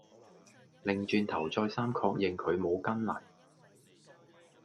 擰轉頭再三確認佢冇跟嚟